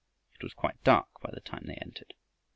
It was quite dark by the time they entered.